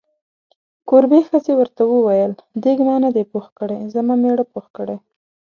کوربې ښځې ورته وویل: دیګ ما نه دی پوخ کړی، زما میړه پوخ کړی.